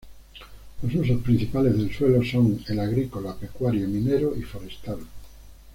Los usos principales del suelo son el agrícola, pecuario, minero y forestal.